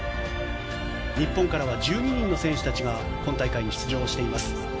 日本からは１２人の選手たちが今大会に出場をしています。